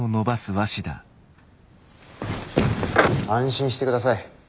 安心してください。